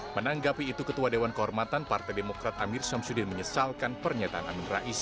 menanggapi itu ketua dewan kehormatan partai demokrat amir syamsuddin menyesalkan pernyataan amin rais